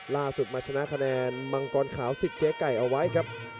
ล่าสุดมาชนะคะแนนมังกรขาวสิทธิเจ๊ไก่เอาไว้ครับ